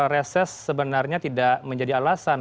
reses sebenarnya tidak menjadi alasan